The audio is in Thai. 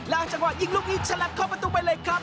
จังหวะยิงลูกนี้ฉลับเข้าประตูไปเลยครับ